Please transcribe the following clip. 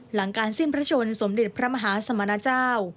หลังการสิ้นพระชนสมเด็จพระมหาสมณเจ้า